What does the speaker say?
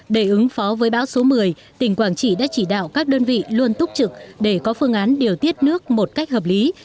để ứng phó với bão số một mươi tỉnh quảng trị đã chỉ đạo các đơn vị luôn túc trực để có phương án điều tiết nước một cách hợp lý